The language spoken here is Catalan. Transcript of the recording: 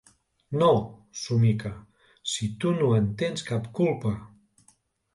No —somica—, si tu no en tens cap culpa.